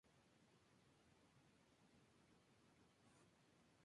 Posteriormente se graduó en la Universidad de California, Berkeley.